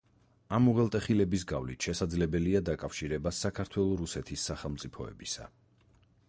ამ უღელტეხილების გავლით შესაძლებელია დაკავშირება საქართველო-რუსეთის სახელმწიფოებისა.